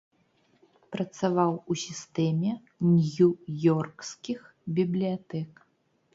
Працаваў у сістэме нью-ёркскіх бібліятэк.